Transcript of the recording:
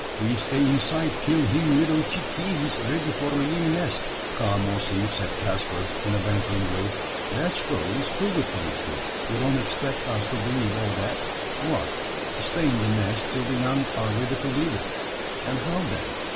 He stay inside till him little chickees ready for leavee nest." "Come, Ossy!" said Caspar, in a bantering way; "that story is too good to be true. You don't expect us to believe all that? What, stay in the nest till the young are ready to leave it! And how then?